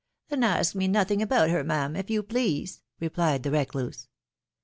Ci Then ask me nothing about her, ma'am, if you please,* replied the recluse.